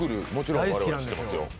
大好きなんですよ。